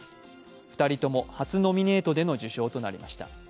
２人とも初ノミネートでの受賞となりました。